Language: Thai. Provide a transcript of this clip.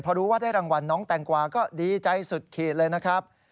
พอรู้ว่าได้รางวัลน้องแตงกวาก็ดีใจสุดขีดเลยนะครับ